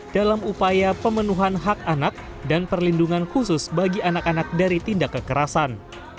dalam upaya pemenuhan hak anak dan perlindungan khusus bagi anak anak dari tindak kekerasan